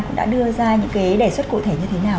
cũng đã đưa ra những cái đề xuất cụ thể như thế nào